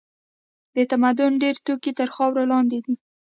د تمدن ډېر توکي تر خاورو لاندې دي.